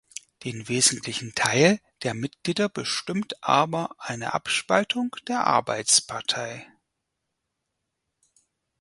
Den wesentlichen Teil der Mitglieder bestimmt aber eine Abspaltung der Arbeitspartei.